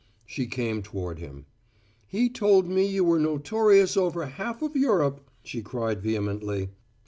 She came toward him. "He told me you were notorious over half of Europe," she cried vehemently.